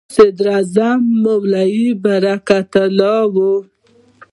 صدراعظم یې مولوي برکت الله و.